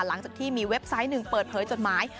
หลังจากที่มีเว็บไซต์หนึ่งเปิดเผยจดหมาย